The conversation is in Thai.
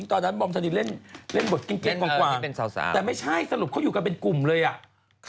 ตอนนั้นบอมธนินเล่นบทเก้งกวางแต่ไม่ใช่สรุปเขาอยู่กันเป็นกลุ่มเลยอ่ะ